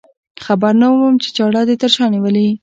خبر نه وم چې چاړه دې تر شا نیولې.